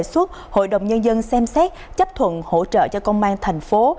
và đề xuất hội đồng nhân dân xem xét chấp thuận hỗ trợ cho công an thành phố